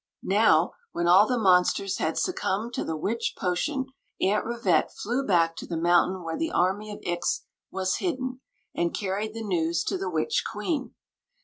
Now, when all the monsters had succumbed to the witch potion, Aunt Rivette flew back to the moun tain where the army of Ix was hidden, and carried the news to the witch queen.